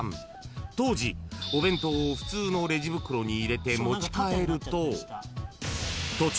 ［当時お弁当を普通のレジ袋に入れて持ち帰ると］